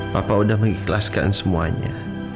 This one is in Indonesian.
papa udah mengikhlaskan semuanya